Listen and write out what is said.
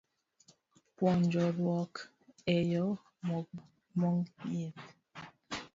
Puonjruok e yo mong'ith